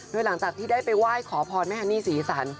โดยหลังจากที่ได้ไปไหว้ขอพรแม่ฮันนี่ศรีสัน